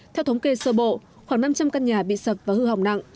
theo thống kê sơ bộ khoảng năm trăm linh căn nhà bị sập và hư hỏng nặng